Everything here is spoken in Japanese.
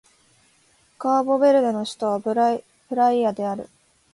カーボベルデの首都はプライアである